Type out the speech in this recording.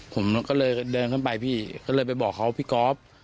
ผมก็เลยเดินขึ้นไปพี่ก็เลยไปบอกเขาพี่ก๊อฟ